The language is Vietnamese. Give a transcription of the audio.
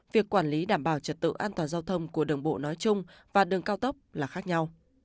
việc quản lý đảm bảo trật tự an toàn giao thông của đường bộ nói chung và đường cao tốc là khác nhau